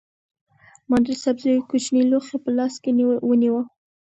ما د سبزیو کوچنی لوښی په لاس کې ونیو.